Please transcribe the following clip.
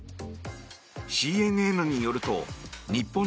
ＣＮＮによると日本